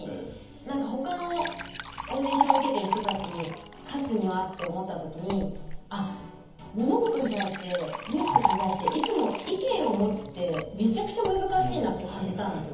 ほかのオーディション受けてる人たちに勝つにはって思った時にあっ物事に対してニュースとかに対していつも意見を持つってめちゃくちゃ難しいなって感じたんですよ。